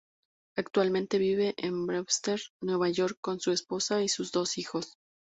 Actualmente vive en Brewster, New York, con su esposa y sus dos hijos.